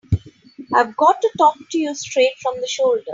I've got to talk to you straight from the shoulder.